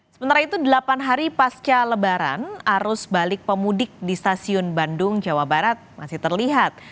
sementara itu delapan hari pasca lebaran arus balik pemudik di stasiun bandung jawa barat masih terlihat